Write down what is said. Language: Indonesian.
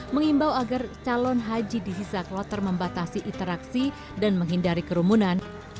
mengimbau agar calon haji di hisa kloter membatasi interaksi dan menghindari kerumunan